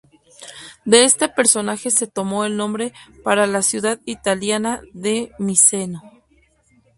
De este personaje se tomó el nombre para la ciudad italiana de Miseno.